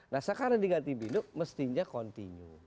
nah sekarang diganti bilu mestinya continue